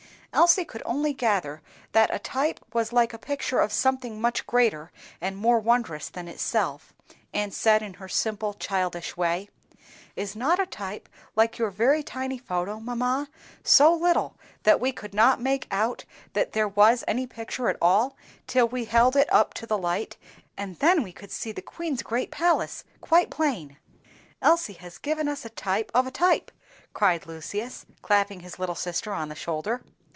Elsie could only gather that a type was like a picture of something much greater and more wondrous than itself, and said in her simple, childish way, "Is not a type like your very tiny photo, mamma, so little that we could not make out that there was any picture at all till we held it up to the light, and then we could see the Queen's great palace quite plain?" "Elsie has given us a type of a type!" cried Lucius, clapping his little sister on the shoulder.